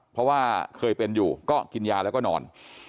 เพราะว่าเคยเป็นอยู่ก็กินยาแล้วก็นอน